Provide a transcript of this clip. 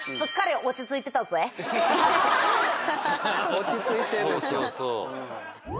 落ち着いてるでしょ。